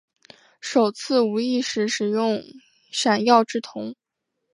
首次无意识使用闪耀之瞳。